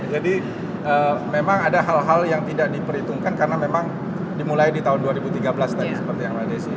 memang ada hal hal yang tidak diperhitungkan karena memang dimulai di tahun dua ribu tiga belas tadi seperti yang mbak desi